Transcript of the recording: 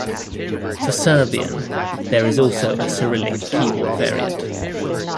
For Serbian, there is also a Cyrillic keyboard variant.